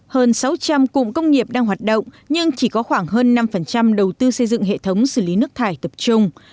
hơn sáu trăm linh cụm công nghiệp đang hoạt động nhưng chỉ có khoảng hơn năm đầu tư xây dựng hệ thống xử lý nước thải tập trung